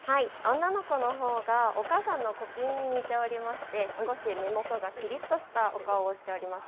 女の子のほうが、お母さんのコキンに似ておりまして、少し目元がきりっとしたお顔をしております。